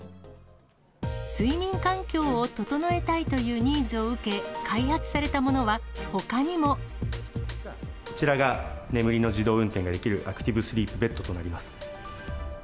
睡眠環境を整えたいというニーズを受け、開発されたものはほかにこちらが、眠りの自動運転ができる、アクティブスリープベッドとなります。